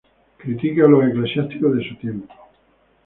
Critica a los eclesiásticos de su tiempo.